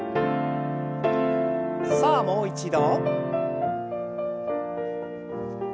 さあもう一度。